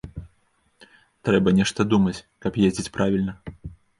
Трэба нешта думаць, каб ездзіць правільна.